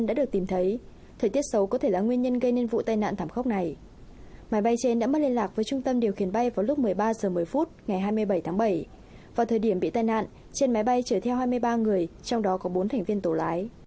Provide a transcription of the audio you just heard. vào thời điểm bị tai nạn trên máy bay chở theo hai mươi ba người trong đó có bốn thành viên tổ lái